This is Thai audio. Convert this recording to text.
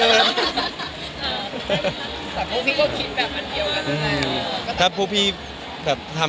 มันเป็นแค่นี้มันก็ดีแล้วอะ